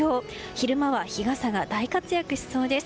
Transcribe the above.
昼間は日傘が大活躍しそうです。